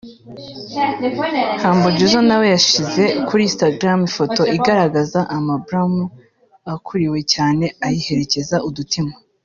Humble Jizzo na we yashyize kuri Instagram ifoto igaragaza Amy Blauman akuriwe cyane ayiherekeza udutima